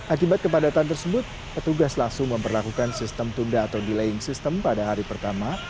akibat kepadatan tersebut petugas langsung memperlakukan sistem tunda atau delaying system pada hari pertama